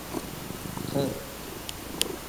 Ҡыҙ.